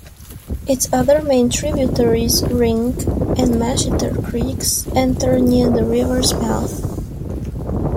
Its other main tributaries, Ring and Mashiter Creeks, enter near the river's mouth.